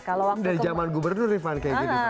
dari zaman gubernur rifat kayak gini